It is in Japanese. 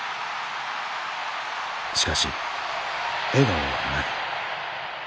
しかし笑顔はない。